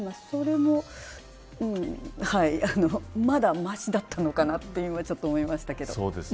それもまだましだったのかなというのは思いましたけど。